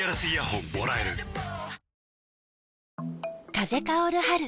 風薫る春。